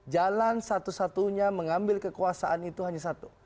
jalan satu satunya mengambil kekuasaan itu hanya satu